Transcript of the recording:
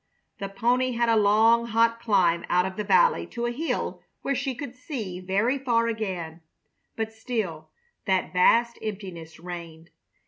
The pony had a long, hot climb out of the valley to a hill where she could see very far again, but still that vast emptiness reigned.